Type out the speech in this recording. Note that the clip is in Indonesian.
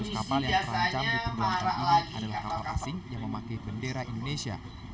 dua ratus kapal yang terancam diperjuangkan ini adalah kapal asing yang memakai bendera indonesia